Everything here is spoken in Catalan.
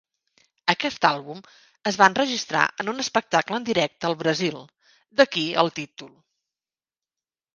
Aquest àlbum es va enregistrar en un espectacle en directe al Brasil, d'aquí el títol.